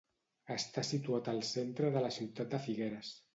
Està situat al centre de la ciutat de Figueres.